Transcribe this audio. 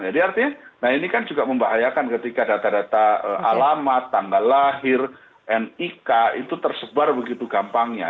artinya nah ini kan juga membahayakan ketika data data alamat tanggal lahir nik itu tersebar begitu gampangnya